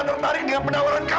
aku sampaikan kesalaan anda